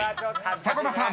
迫田さん］